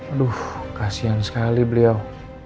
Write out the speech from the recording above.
aduh kasihan sekali beliau